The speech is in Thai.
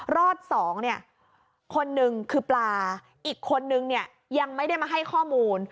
รอบสองเนี่ยคนหนึ่งคือปลาอีกคนนึงเนี่ยยังไม่ได้มาให้ข้อมูล